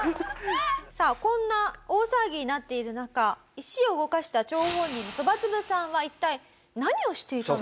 さあこんな大騒ぎになっている中石を動かした張本人そばつぶさんは一体何をしていたのか？